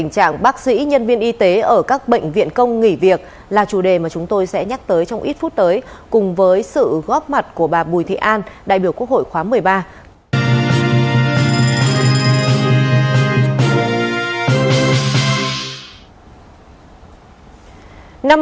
đây là chủ đề mà chúng tôi sẽ nhắc tới trong ít phút tới cùng với sự góp mặt của bà bùi thị an đại biểu quốc hội khóa một mươi ba